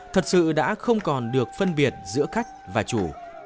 thật sự đã không còn được phân biệt giữa khách và chủ